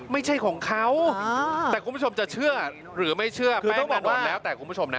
ไม่ใช่ของเขาแต่คุณผู้ชมจะเชื่อหรือไม่เชื่อไม่ต้องมาโดนแล้วแต่คุณผู้ชมนะ